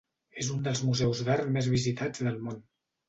És un dels museus d'art més visitats del món.